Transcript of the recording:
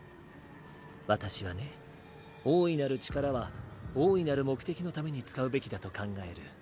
私はね大いなる力は大いなる目的のために使うべきだと考える。